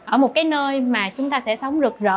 ở một cái nơi mà chúng ta sẽ sống rực rỡ